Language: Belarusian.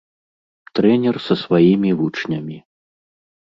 Трэнер са сваімі вучнямі.